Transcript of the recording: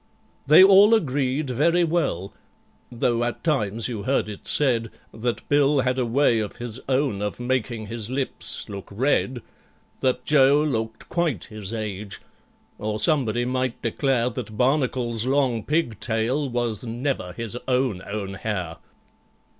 They all agreed very well, though at times you heard it said That BILL had a way of his own of making his lips look red— That JOE looked quite his age—or somebody might declare That BARNACLE'S long pig tail was never his own own hair.